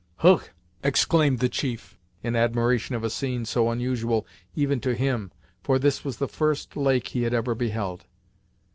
"Hugh!" exclaimed the chief, in admiration of a scene so unusual even to him, for this was the first lake he had ever beheld.